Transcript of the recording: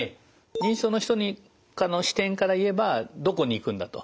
認知症の人の視点から言えば「どこに行くんだ」と。